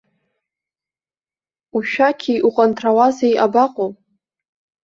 Ушәақьи уҟанҭаруази абаҟоу?